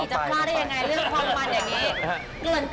จะพลาดได้ยังไงเรื่องความมันอย่างนี้